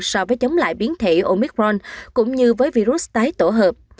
so với chống lại biến thể omicron cũng như với virus tái tổ hợp